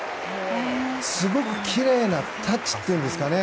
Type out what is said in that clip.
すごくきれいなタッチというか。